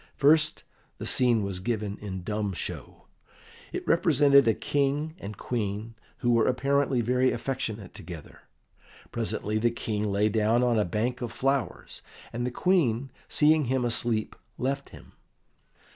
First the scene was given in dumb show. It represented a King and Queen who were apparently very affectionate together. Presently the King lay down on a bank of flowers, and the Queen, seeing him asleep, left him.